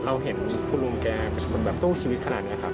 เราเห็นคุณลุงแกเป็นคนแบบสู้ชีวิตขนาดนี้ครับ